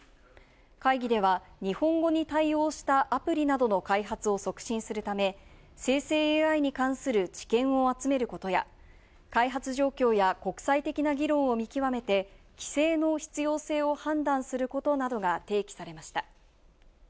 会議では日本語に対応したアプリなどの開発を促進するため、生成ＡＩに関する知見を集めることや開発状況や国際的な議論を見極めて規制の必要性を判断することなどが提起されました。